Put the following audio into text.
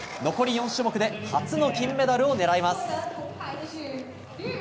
残り４種目で初の金メダルを狙います。